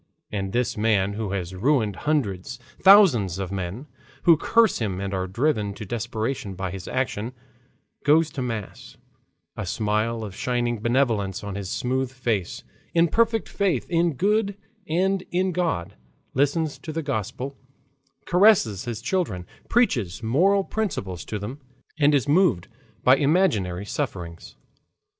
And this man who has ruined hundreds, thousands of men, who curse him and are driven to desperation by his action, goes to mass, a smile of shining benevolence on his smooth face, in perfect faith in good and in God, listens to the Gospel, caresses his children, preaches moral principles to them, and is moved by imaginary sufferings.